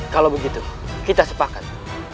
kalau begitu kita sepakat